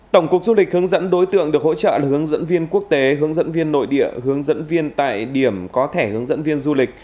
tổng cục du lịch hướng dẫn đối tượng được hỗ trợ là hướng dẫn viên quốc tế hướng dẫn viên nội địa hướng dẫn viên tại điểm có thẻ hướng dẫn viên du lịch